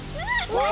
うわ！